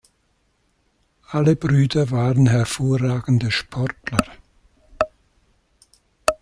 Alle Brüder waren hervorragende Sportler.